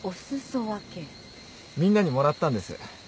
みんなにもらったんです。